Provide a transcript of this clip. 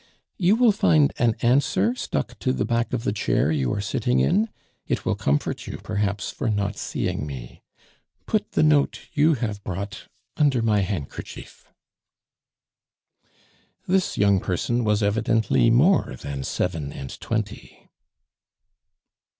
You will find an answer stuck to the back of the chair you are sitting in; it will comfort you perhaps for not seeing me. Put the note you have brought under my handkerchief " This young person was evidently more than seven and twenty.